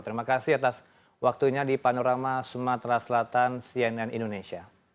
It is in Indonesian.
terima kasih atas waktunya di panorama sumatera selatan cnn indonesia